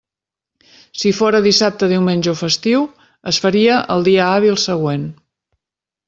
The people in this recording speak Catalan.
Si fóra dissabte, diumenge o festiu, es faria el dia hàbil següent.